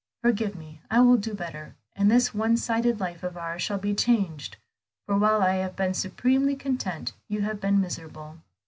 Forgive me, I will do better, and this one sided life of ours shall be changed; for while I have been supremely content you have been miserable."